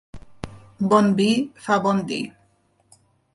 Bon vi fa bon dir.